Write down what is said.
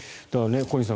小西さん